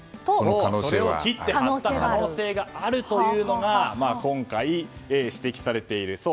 それを切って貼った可能性があるというのが今回、指摘されている。